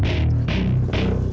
biasa aja deh